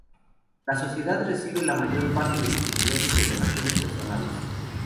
La Sociedad recibe la mayor parte de sus ingresos de donaciones personales.